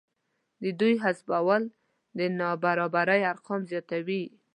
د دوی حذفول د نابرابرۍ ارقام زیاتوي